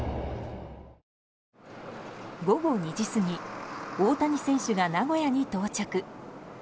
午後２時過ぎ大谷選手が名古屋に到着。